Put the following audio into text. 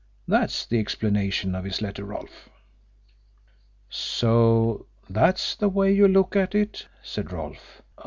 That's the explanation of his letter, Rolfe." "So that's the way you look at it?" said Rolfe.